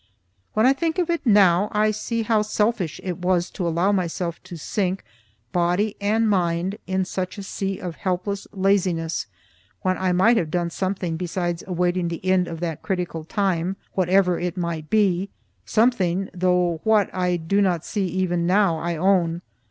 When I think of it now, I see how selfish it was to allow myself to sink, body and mind, in such a sea of helpless laziness, when I might have done something besides awaiting the end of that critical time, whatever it might be something, though what, I do not see even now, I own.